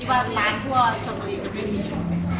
นี่ประมาณทั่วจังหลีก็ไม่มี